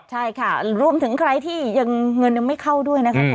ใช่ค่ะรวมถึงใครที่ยังเงินยังไม่เข้าด้วยนะครับ